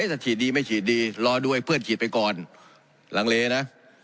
ถ้าฉีดดีไม่ฉีดดีรอด้วยเพื่อนฉีดไปก่อนลังเลนะ